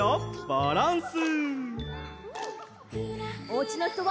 バランス！